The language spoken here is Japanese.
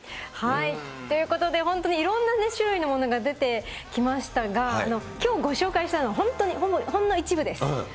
ということで、本当にいろんな種類のものが出てきましたが、きょうご紹介したのは、本当にほんの一部です。